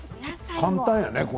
簡単やね。